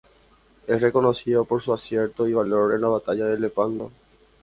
Es reconocido por su acierto y valor en la Batalla de Lepanto.